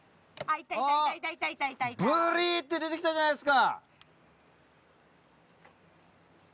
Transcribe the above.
ぶり！って出て来たじゃないですか。